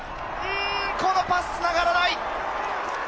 このパスはつながらない！